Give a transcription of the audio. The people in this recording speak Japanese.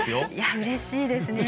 うれしいですね。